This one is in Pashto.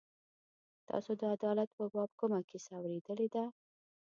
تاسو د عدالت په باب کومه کیسه اورېدلې ده.